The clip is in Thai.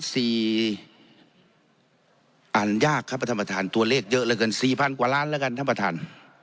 อ่านยากครับท่านประธานตัวเลขเยอะเหลือเกินสี่พันกว่าล้านแล้วกันท่านประธาน